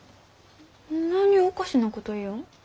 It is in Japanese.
何ゅうおかしなこと言よん？